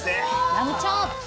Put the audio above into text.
ラムチョーップ！